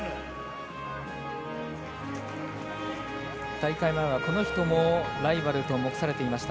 大会前はこの人もライバルと目されていました。